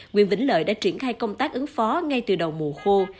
nguyễn vĩnh lợi đã triển khai công tác ứng phó ngay từ đầu mùa khô